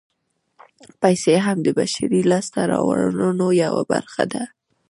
پیسې هم د بشري لاسته راوړنو یوه برخه ده